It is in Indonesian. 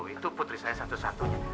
itu putri saya satu satunya